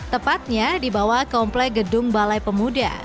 tepatnya di bawah komplek gedung balai pemuda